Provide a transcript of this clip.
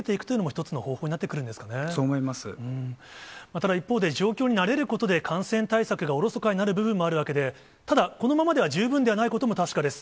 ただ、一方で、状況に慣れることで感染対策がおろそかになる部分もあるわけで、ただ、このままでは十分ではないことも確かです。